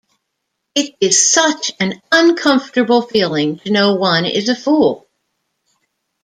It is such an uncomfortable feeling to know one is a fool.